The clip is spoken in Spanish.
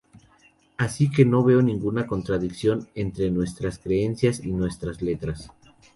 Así que no veo ninguna contradicción entre nuestras creencias y nuestras letras".